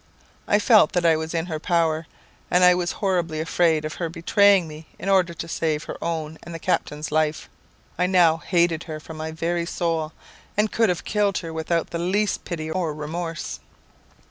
I felt that I was in her power, and I was horribly afraid of her betraying me in order to save her own and the captain's life. I now hated her from my very soul, and could have killed her without the least pity or remorse.